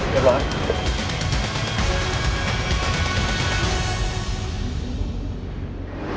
เรียบร้อย